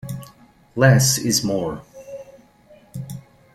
Less is more.